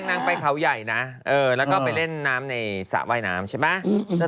นางไปเขาใหญ่นะแล้วก็ไปเล่นน้ำในสระว่ายน้ำใช่ไหม